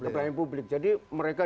pelayanan publik jadi mereka